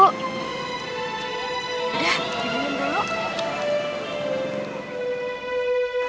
udah dihubungin dulu